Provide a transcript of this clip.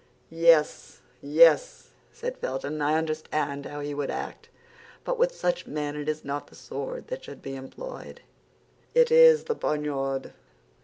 "Yes, yes," said Felton; "I understand how he would act. But with such men it is not the sword that should be employed; it is the poniard."